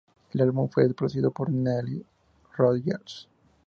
El álbum fue producido por Nile Rodgers.